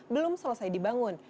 belum selesai dibangun